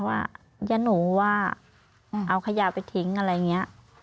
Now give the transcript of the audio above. ว่ายะหนูว่าเอาขยะไปทิ้งอะไรอย่างนี้